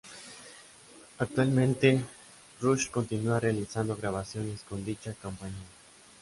Actualmente, Rush continúa realizando grabaciones con dicha compañía.